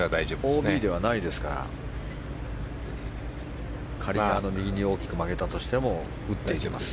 ＯＢではないですから仮に右に大きく曲げたとしても打っていけます。